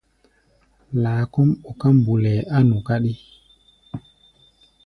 Laa kɔ́ʼm ɓuká mbulɛɛ á nu káɗí.